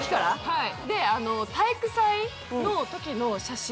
はい。